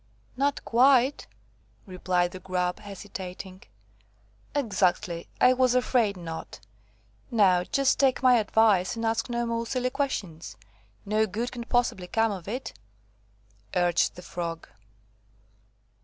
"Not quite," replied the Grub, hesitating. "Exactly; I was afraid not. Now just take my advice, and ask no more silly questions. No good can possibly come of it," urged the Frog.